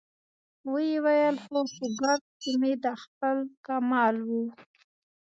ويې ويل: خو په ګارد کې مې دا خپل کمال و.